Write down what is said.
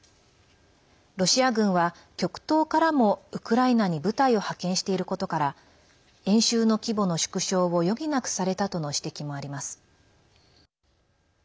ロシア軍は極東からもウクライナに部隊を派遣していることから演習の規模の縮小を余儀なくされたとの指摘もあります。